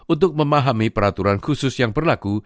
untuk memahami peraturan khusus yang berlaku